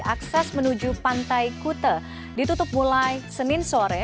akses menuju pantai kute ditutup mulai senin sore